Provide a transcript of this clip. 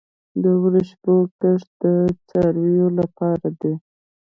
د وربشو کښت د څارویو لپاره دی